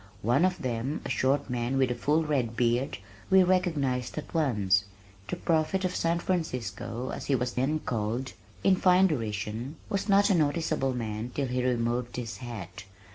One of them, a short man with a full red beard, we recognized at once, "The prophet of San Francisco" as he was then called (in fine derision) was not a noticeable man till he removed his hat.